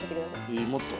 えもっと？